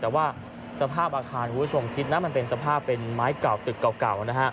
แต่ว่าสภาพอาคารทุกของคุณคิดแน่น่ะมันเป็นสภาพเป็นไม้เก่าตึกเก่า